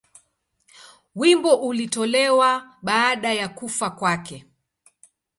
Wimbo ulitolewa baada ya kufa kwake.